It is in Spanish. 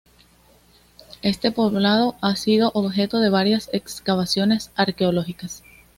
Este poblado ha sido objeto de varias excavaciones arqueológicas.